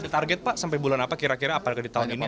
ada target pak sampai bulan apa kira kira apa yang ditawarkan